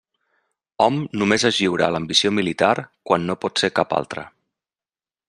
Hom només es lliura a l'ambició militar quan no pot ser cap altra.